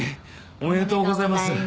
おめでとうございます。